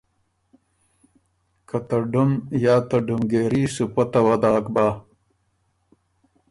که ته ډُم یا ته ډُمګېري صُوپته وه داک بۀ۔